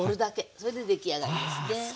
それで出来上がりですね。